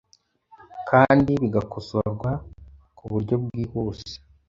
Kandi bigakosorwa ku buryo bwihuse.”